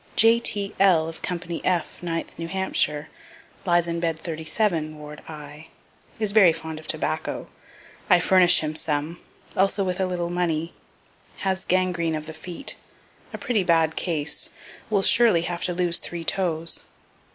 J.T.L., of company F, 9th New Hampshire, lies in bed 37, ward I. Is very fond of tobacco. I furnish him some; also with a little money. Has gangrene of the feet; a pretty bad case; will surely have to lose three toes.